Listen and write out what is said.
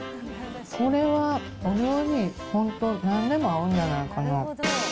これはお料理に、本当なんでも合うんじゃないかな。